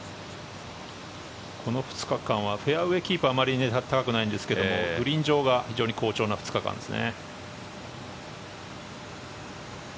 この２日間はフェアウェーキープはあまり高くないんですがグリーン上が非常に好調な２日間ですね。